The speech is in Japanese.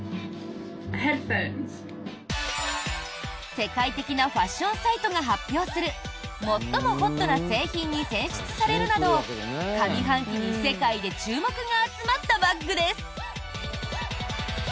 世界的なファッションサイトが発表する最もホットな製品に選出されるなど上半期に世界で注目が集まったバッグです！